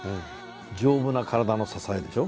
丈夫なカラダの支えでしょ。